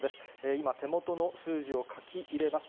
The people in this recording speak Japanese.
今、手元の数字を書き入れます。